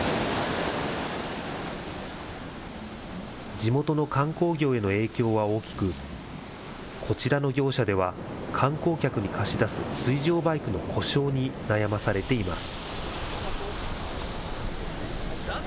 地元の観光業への影響は大きく、こちらの業者では、観光客に貸し出す水上バイクの故障に悩まされています。